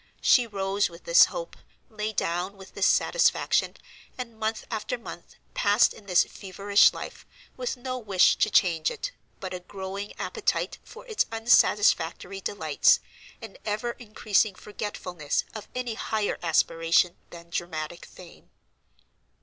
She rose with this hope, lay down with this satisfaction, and month after month passed in this feverish life, with no wish to change it, but a growing appetite for its unsatisfactory delights, an ever increasing forgetfulness of any higher aspiration than dramatic fame.